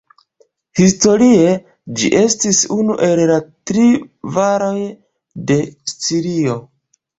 Historie, ĝi estis unu el la tri valoj de Sicilio.